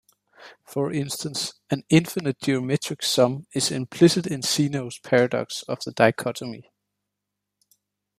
For instance, an infinite geometric sum is implicit in Zeno's paradox of the dichotomy.